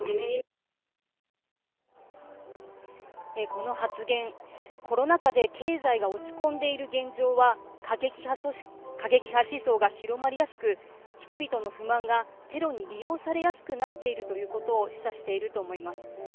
この発言コロナ禍で経済が落ち込んでいる現状は過激派思想が広まりやすく人々の不満がテロに利用されやすくなっているということを示唆していると思います。